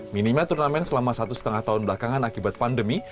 minimal turnamen selama satu lima tahun belakangan akibat pandemi